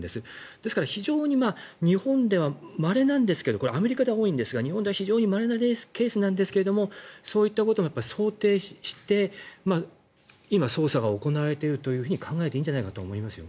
ですから非常に日本ではまれなんですがこれはアメリカでは多いんですが日本では非常にまれなケースなんですがそういったことを想定して今、捜査が行われていると考えていいんじゃないかと思いますよ。